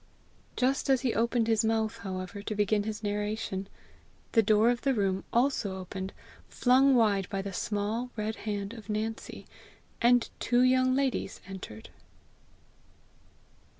Just as he opened his mouth, however, to begin his narration, the door of the room also opened, flung wide by the small red hand of Nancy, and two young ladies entered.